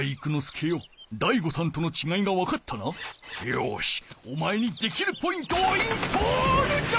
よしおまえにできるポイントをインストールじゃ！